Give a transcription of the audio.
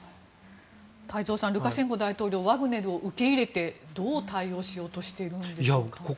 太蔵さんルカシェンコ大統領はワグネルを受け入れて、どう対応しようとしているんでしょうか。